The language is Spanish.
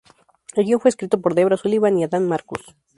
El guion fue escrito por Debra Sullivan y Adam Marcus.